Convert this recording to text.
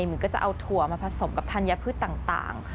มันก็จะเอาถั่วมาผสมกับธัญพืชต่าง